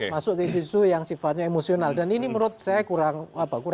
masuk ke isu isu yang sifatnya emosional dan ini menurut saya kurang